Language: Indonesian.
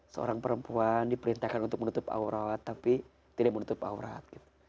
seorang perempuan diperintahkan untuk menutup aurat tapi tidak menutup aurat gitu